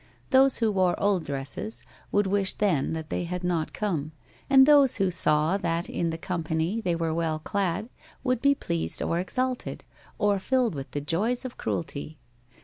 Those who wore old dresses would wish then that they had not come; and those who saw that, in the company, they were well clad, would be pleased or exalted, or filled with the joys of cruelty.